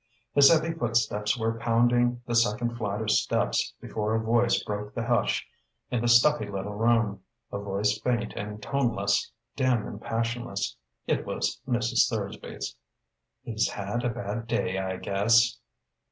His heavy footsteps were pounding the second flight of steps before a voice broke the hush in the stuffy little room, a voice faint and toneless, dim and passionless. It was Mrs. Thursby's. "He's had a bad day, I guess...."